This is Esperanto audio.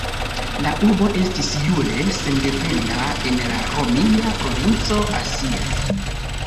La urbo estis jure sendependa en la romia provinco Asia.